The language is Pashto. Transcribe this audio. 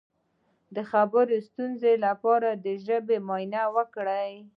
د خبرو د ستونزې لپاره د ژبې معاینه وکړئ